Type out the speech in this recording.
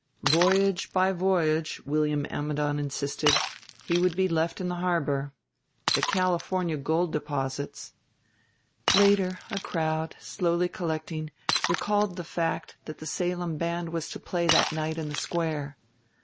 "Voyage by voyage," William Ammidon insisted, "he would be left in the harbor. The California gold deposits ." Later a crowd, slowly collecting, recalled the fact that the Salem Band was to play that night in the Square.